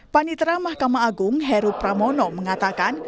panitera mahkamah agung heru pramono mengatakan